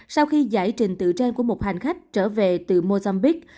sau khi giải trình tự trên của một hành khách trở về từ mozambique